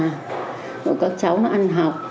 rồi các cháu nó ăn học